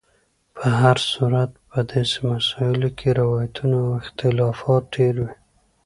په هر صورت په داسې مسایلو کې روایتونو او اختلافات ډېر وي.